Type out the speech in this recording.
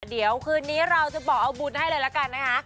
เดี๋ยวคืนนี้เราจะบอกเอาบุญให้เลยละกันนะคะ